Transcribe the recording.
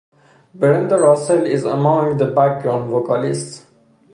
Brenda Russell is among the background vocalists.